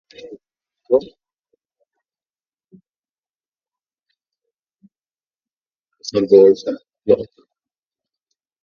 Puthur is part of Mogral Puthur Grama Panchayat in Kasaragod Block.